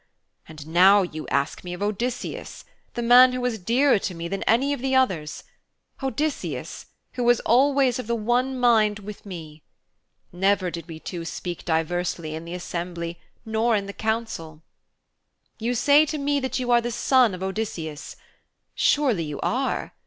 And now you ask me of Odysseus, the man who was dearer to me than any of the others Odysseus, who was always of the one mind with me! Never did we two speak diversely in the assembly nor in the council. 'You say to me that you are the son of Odysseus! Surely you are.